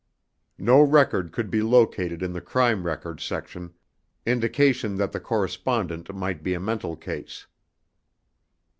No record could be located in the Crime Records Section indication that the correspondent might be a mental case.